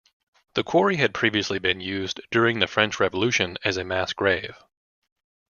The quarry had previously been used during the French Revolution as a mass grave.